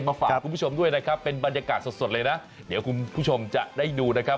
ฝากคุณผู้ชมด้วยนะครับเป็นบรรยากาศสดเลยนะเดี๋ยวคุณผู้ชมจะได้ดูนะครับ